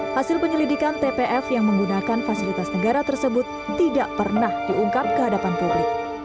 hasil penyelidikan tpf yang menggunakan fasilitas negara tersebut tidak pernah diungkap ke hadapan publik